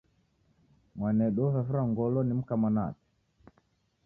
Mwanedu ovavirwa ngolo ni mka mwana wape.